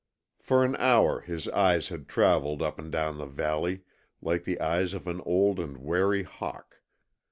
For an hour his eyes had travelled up and down the valley like the eyes of an old and wary hawk.